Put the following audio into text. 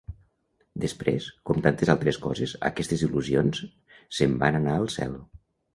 Després, com tantes altres coses, aquestes il·lusions se'n van anar al cel.